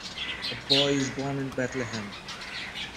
A boy is born in Bethlehem.